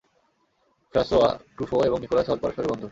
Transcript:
François Truffaut এবং Nicolas Holt পরস্পরের বন্ধু।